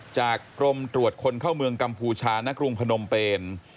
จากกรมตรวจคนเข้าเมืองกัมพูชาณกรุงพนมเปน